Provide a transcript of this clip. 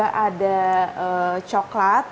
kita ada coklat